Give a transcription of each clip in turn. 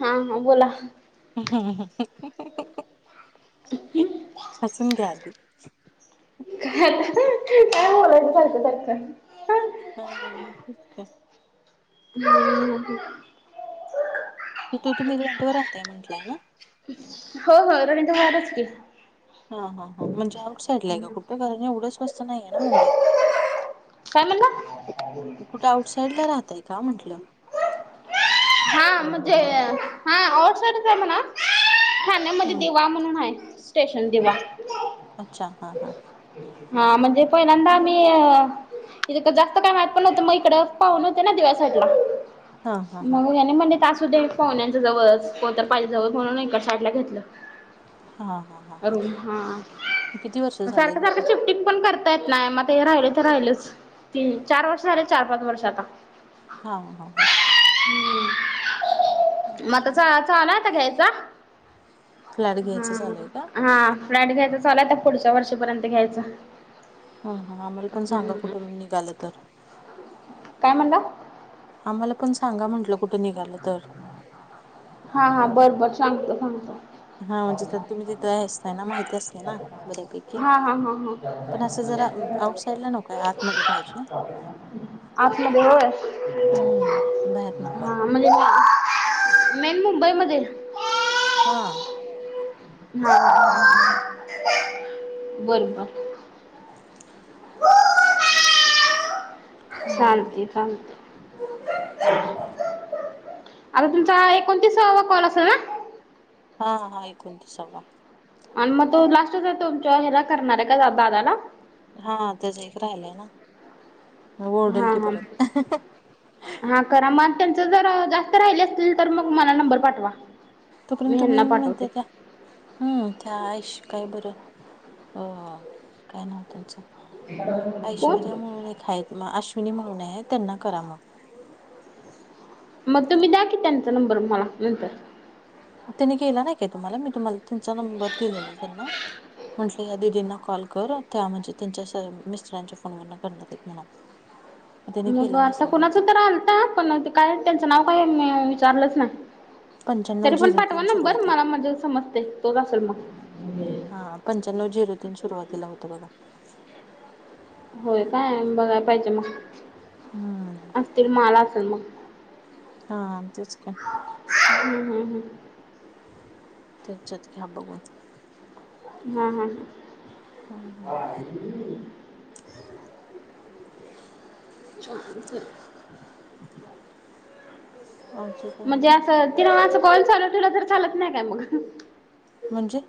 हा, हा बोला. हसून घ्या, आधी. काय आता काय बोलायच सारखं, सारखं. हा हा ठीक आहे. [unintelligible] तिथू तुम्ही रेंट वर राहताय म्हंटलंय हायना हो हो रेंट वरच की हा हा हा म्हणजे आउट साईडला आहे काुठं कारण एवढंच स्वस्त नाही आहे ना मुंबईत काय म्हणला कुठे आऊट साईडला राहतय का म्हटलं हा म्हणजे हा आउट साईडच आहे म्हणा ठाण्यामध्ये हा दिवा म्हणून आहे स्टेशन दिवा अच्छा हा हा. हा म्हणजे पहिल्यांदा आम्ही इथ तर जास्त काय माहित पण नव्हत मग इकडे पाहूणे होते ना दिव्या साईडला. हा हा हा म्हणले यांनी म्हटले असू दे पाहुण्यांच्या जवळच्या जवळच कोणतर पाहिजे जवळ म्हणून इकड सााईडला घेतल. हा हा हा हा हॅलो किती वर्ष झालंय सारख तिथे? सारख शिफ्टिंग पण करता येत नाही मग. ते राहिले तर राहिलच ती चार वर्ष झाले चार पाच वर्ष आता. हा हा हां मग आता चाल आहे आता घ्यायचा. फ्लॅट घ्यायचं चालूय का? फ्लॅट घ्यायच चालू आहे पुढच्या वर्षापर्यंत घ्यायच. हम्म आम्हाला पण सांगा कुठ निघाल तर? काय म्हणला? आम्हाला पण सांगा कुठ निघाल तर. हां हां बर बर सांगतो सांगतो. हा म्हणजे त्यात तुम्ही तिथं असताय ना माहिती असते ना बऱ्यापैकी. हा हां हां पण असं जरा आउटसाईडला नकोय आतमध्ये पाहिजे. आपल घर. हम्म बाहेर नकोय. मेन मुंबईमध्ये. हां हां [inaudible] चालतय चालतय. आता तुमचा एकोणतीसवा कॉल असल ना? हां हां एकोनतीसावा. आणि मग तो लास्टचा आहे तो तुमच्या ह्याला करणार आहे का दादाला? हां त्याजा एक राहिलाय ना. मग ओरडेल हां की हां परत हां करा मग त्यांच जर जास्त राहिले असतील तर मग मला नंबर पाठवा. मी [unintelligible] तुम्ही ह्यांना पाठवते म्हणता त्या हम्म त्या आर्ष काय बर अ काय नाव त्यांच? कोण ऐश्वर्या म्हणून एक आहेत मग अश्विनी म्हणून आहे त्यांना करा मग. मग तुम्ही द्या की त्यांचा नंबर मला. तिनी केला नाही का तुम्हाला मी तुम्हाला तुमचा नंबर दिलेला त्यांना म्हंटल या दिदींना कॉल कर. त्या म्हणजे त्यांच्या मिस्टरांच्या फोनवरून करणार आहे म्हणा. त्याने मग केला आता नसेल कुणाचा बहुतेक तर आलता पण ते काय त्यांच नाव काय मी विचारलच नाही. पंच्याण्णव तरी पण झिरो पाठवा तीन नंबर सुरुवात आहे. मला माणजे समजते तोच असल मग. हा पंच्याण्णव झिरो तीन सुरुवातीला होत बघा. होय काय बघायला पाहिजे मग. हम्म असतील मला असल मग. हा तेच का हम्म हम्म हम्म त्यांच्यात घ्या बघून. हम हम्म [inaudible] छान होतय. [inaudible] म्हणजे अस तिला अस कॉल चालू ठेवला तर चालत नाही काय मग. म्हणजे.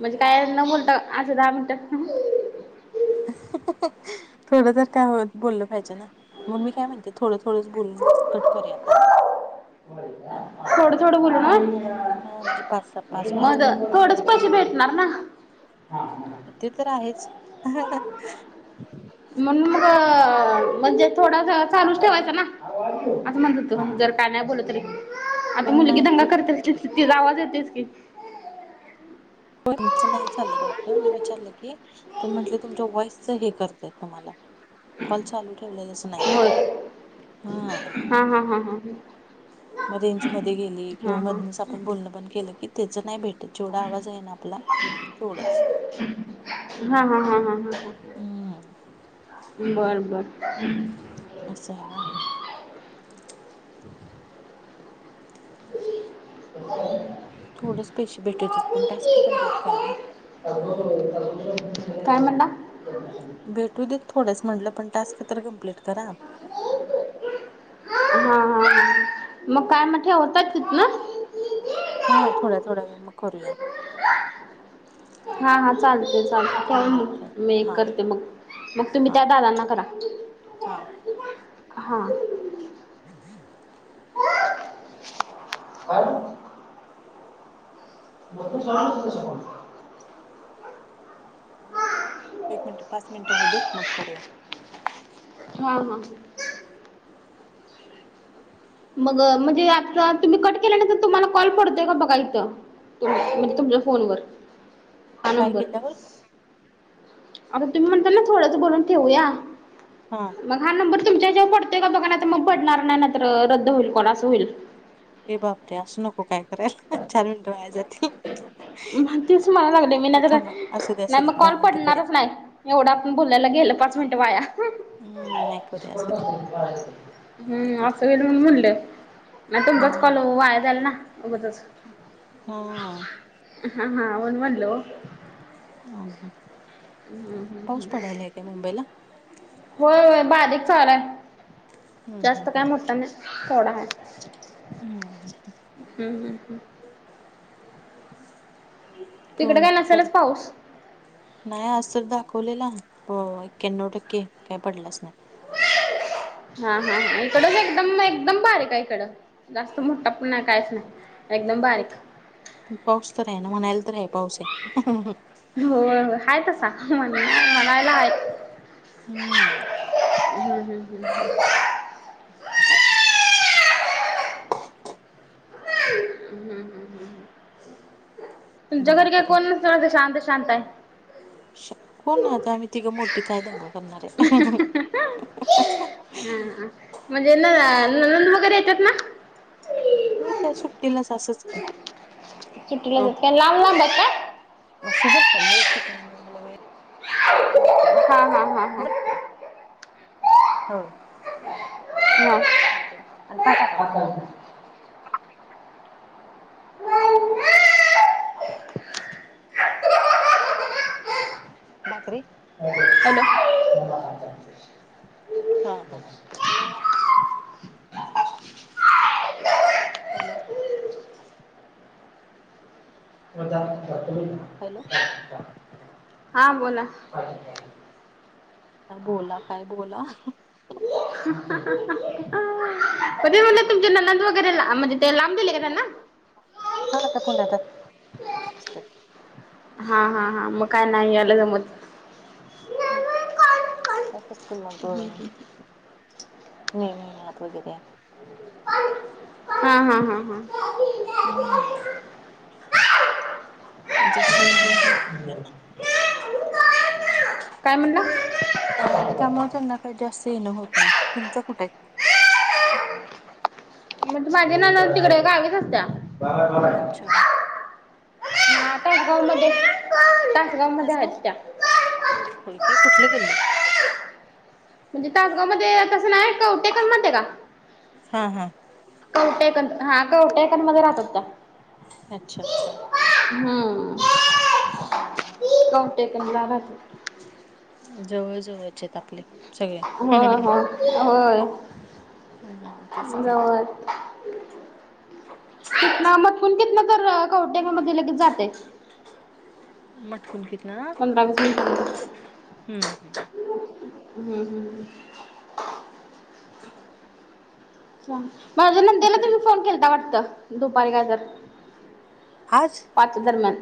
म्हणजे काय न बोलता अस दहा मिनटं. थोडं तर काय हो बोललं पाहिजे ना. मग मी काय म्हणते थोडं थोडंच बोलून कट करूया का. बम. थोडं थोडं बोलू ना हा म्हणजे पाच स पाच पाच मग पाच थोडच मिनिटं पैशे भेटणार ना. ते तर आहेच. म्हणून मग म्हणजे थोडा चालूच ठेवायचा ना असं म्हणत तू पण जर. काय नाही बोलल तरी आता पण मुलगी नाही दंगा ते करतेस ती की आवाज येतेस की. कोच नाही चाललंत वाटत मी विचारलं की. तर म्हंटले तुमच्या वॉइसच हे करताय तुम्हाला कॉल चालू ठेवलेला. नाही हो होय ह हा हा हा हा ह. मग रेंज मध्ये गेली किंवा हा मधूनच आपण बोलणं बंद केलं की त्याच नाही भेटत. जेवढा आवाज आहे ना आपला तेवढाच. हा हा हा हा हा हा. हम्म बर बर. असय ना. हम. आई. थोडेच पैशे भेटवतेत पण टास्क कम्प्लीट करा ना. काय म्हणला. भेटू देत थोडंच म्हटलं पण टास्क तर कम्प्लीट करा. हा हा मग काय मग ठेवतात तिथंन. हा थोड्या थोड्या वेळ मग करूया. हा हा चालते चालते ठेवू हो चल मग मी हा करते मग. मग तुम्ही हा त्या दादांना करा. हा. हा. आणि. बघू जाणं तस कोण. एक मिनिट पाच मिनिट होदेत मग करूया. हा हा. मग म्हणजे आता तुम्ही कट केल्यानंतर तुम्हाला कॉल पडतोय का बघा इथं. म्हणजे तुमच्या फोनवर. हा काय नंबर केल्यावर. आता तुम्ही म्हणता ना थोडंच बोलून ठेवूया. हां. मग हा नंबर तुमच्या हेच्यावर पडतय का बघा नाहीतर मग पडणार नाही तर रद्द होईल कॉल अस होईल. ए बापरे असं नको काय करायला चार मिनिट वाया जातील. म तेच म्हणायला लागले मी थांबा असू दे असू नाही दे मग दहा कॉल मिनिटं करूया पडणारच नाही एवढ आपण बोलेल गेल. मिनट वाया. हम्म नाही करूया असू दे हम्म इकडे असं होईल तिकडे म्हणून पाच मिनिट म्हणलं नाही तुमचच कॉल वाया जाईल ना उगाचच. हां हा हां हां वन वनलो ओ [unintelligible] [unintelligible] पाऊस पडायलाय काय मुंबईला? होय होय बारीक चालूय. हम्म जास्त काय हम्म मोठा नाय. थोडा हाय. हम्म हम्म हम्म हम्म. तिकडे काय नसेलच पाऊस [unintelligible] नाही आज तर दाखवलेला होय. एक्यान्नव टक्के काय पडलाच नाय. [unintelligible] हा हा इकडंच एकदम एकदम बारीकया इकडं. जास्त मोठा पण नाय. काहीच नाय. एकदम बारीक. पण पाऊस तर आहे. म्हणायला तर आहे. पाऊस आहे. होय होय हाये तसा म्हणायला हाय. हम्म. हम्म हम्म हम्म. हम्म्म हम्म हम्म. तुमच्या घरी काय बापरे कोण नसतंय वाटतं. शांत शांतय? कोण आता, आम्ही तिघं मोठी काय दंगा करणारे. हा म्हणजे, न ननंद वगैरे येतात ना? होय त्या सुट्टीलाच असंच की. सुट्टी हो, लागत. त्या लांब लांबेत का? [unintelligible] हा हा हा [unintelligible] हा हा अन काय खाता म आता? [unintelligible] भाकरी. हॅलो. हा हा. [inaudible] हॅलो. म जा [unintelligible] हॅलो. हा बोला. बोला काय बोला. तरी म्हणले तुमचे ननंद वगैरे, म्हणजे ते लांब दिले काय त्यांना? हा त्या पुण्याते. असतात. हा हा हा मग काय नाही यायला जमत. हम्म, असतास की मग मे महिन्यात वगैरे हा हा हा हा. हम्म जास्त काय नाही येणारे त्यांना. काय म्हणला? त्यामुळे त्यांना काही जास्त येणं होत नाही. तुमच्या कुठेय? म्हणजे माझी ननंद तिकडे गावीच असत्या. अच्छा. हा तासगाव मध्ये. तास तासगाव. नेमकं कुठले गल्ली? म्हणजे, तासगाव मध्ये तसं नाही. कवठेकर माहिते का? हा हा! कवटेपन हा कवटेपनमध्ये राहतात का? अच्छा अच्छा! हं कवटेपनला राहत. जवळ, जवळ चे तं आपले. सगळे वह हा होय हा तेच की जावळ च. तिथना मधून घेतलं तर कौट्यांंमा मध्ये लगेच जातय. मटकून तिथंन ना पंधरा वीस मिनिटांमध्ये हूं हूं! हूं हूं! माझ्या नंदेला म्हातारे तुम्ही फोन केलता वाटतं, दुपारी कायतरी. [unintelligible] आज पाच च्यां दरम्यान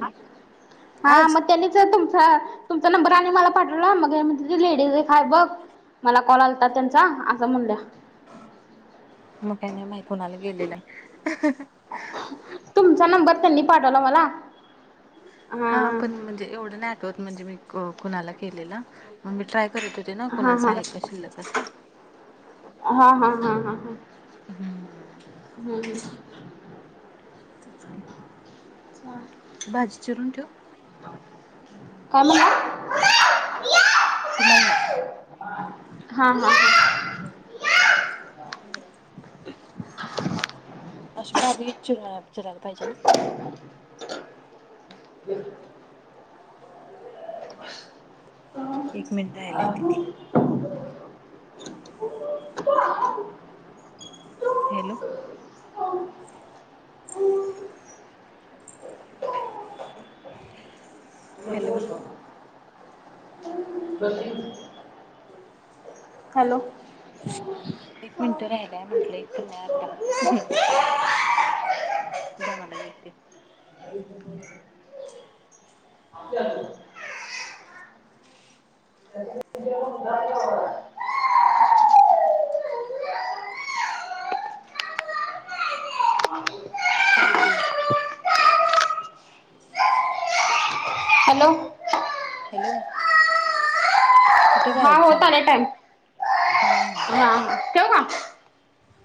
हा आज म त्यांनीचय तुम हा तुमचा नंबर आणि मला पाठवला मग म्हतली लेडीज हे काय बघ. मला कॉल आलतां त्यांचा असं म्हणल्या. म काही नाही माय कुणाला गेलेलं. तुमचा नंबर त्यांनी पाठवला मला. हा पण म्हणजे एवढं नाही आठवत म्हणजे मी कुणाला केलेला, मंग मी ट्राय करत ते ना हा कोणाचा आहे का शिल्लक अस. हा हा हा हा हा हूं हूं! भाजी चिरून ठेवू? काय म्हनला? तुम्हाल नाही. हा हा! [unintelligible] अशी बारिक चिरा-चिरायला पाहिजे ना? [inaudible] एक मिनट राहिलाय दीदी. हा हा हॅलो! हॅलो! हॅलो! एक मिनटं राहिलाय म्हंटल एक पन नाही अर्धा. द्या मला भेटते. काय देऊ? हॅलो! हॅलो! कुठं हा गायब होत झाला आला टाइम हा हा! ठेवू का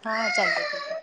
हां चालतय ठीक हे.